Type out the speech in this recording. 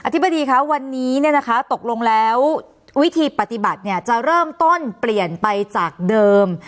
ธิบดีคะวันนี้ตกลงแล้ววิธีปฏิบัติจะเริ่มต้นเปลี่ยนไปจากเดิม